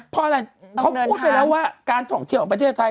เพราะอะไรเขาพูดไปแล้วว่าการท่องเที่ยวของประเทศไทย